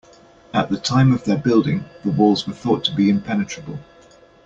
At the time of their building, the walls were thought to be impenetrable.